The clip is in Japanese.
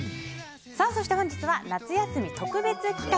そして、本日は夏休み特別企画。